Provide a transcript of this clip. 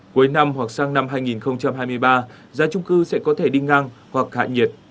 cuối năm hoặc sang năm hai nghìn hai mươi ba giá trung cư sẽ có thể đi ngang hoặc hạ nhiệt